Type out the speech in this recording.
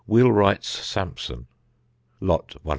Wheelwright's sampson. Lot 174.